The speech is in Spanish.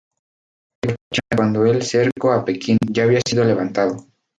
La flota llegó a China cuando el cerco a Pekín ya había sido levantado.